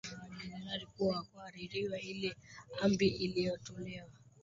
ya majenerali kuwa ni kukaririwa ile amri iliotolewa